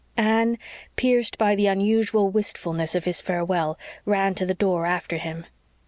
Anne, pierced by the unusual wistfulness of his farewell, ran to the door after him.